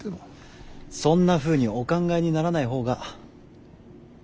そんなふうにお考えにならない方が。